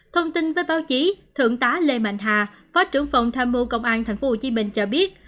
thông tin với báo chí thượng tá lê mạnh hà phó trưởng phòng tham mưu công an tp hcm cho biết